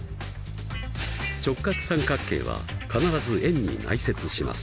直角三角形は必ず円に内接します。